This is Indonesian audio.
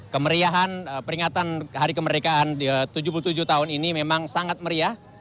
kemeriahan peringatan hari kemerdekaan tujuh puluh tujuh tahun ini memang sangat meriah